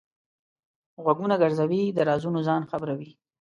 غوږونه ګرځوي؛ د رازونو ځان خبروي.